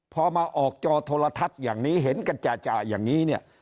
พอมาออกจอโทรทัศน์เห็นกับคฏอย่างนี้เนี่ย